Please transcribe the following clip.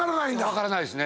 分からないですね。